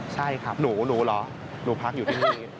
ใช่ครับหนูเหรอหนูพักอยู่ที่นี่